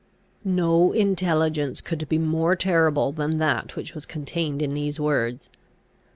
No intelligence could be more terrible than that which was contained in these words.